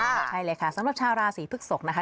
ใช่เลยค่ะสำหรับชาวราศีพฤกษกนะคะ